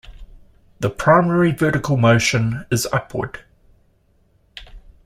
The primary vertical motion is upward.